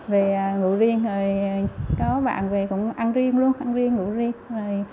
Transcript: về ngủ riêng có bạn về cũng ăn riêng luôn ăn riêng ngủ riêng